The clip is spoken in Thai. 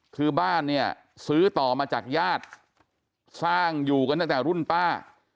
คือบ้านเนี่ยซื้อต่อมาจากญาติสร้างอยู่กันตั้งแต่รุ่นป้า